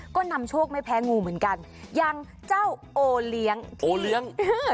ก็นำโชคไม่แพ้งูเหมือนกันอย่างเจ้าโอเลี้ยงโอเลี้ยง